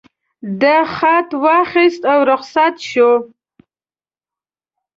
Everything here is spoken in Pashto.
ده خط واخیست او رخصت شو.